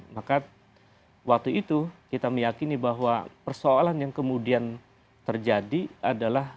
maka waktu itu kita meyakini bahwa persoalan yang kemudian terjadi adalah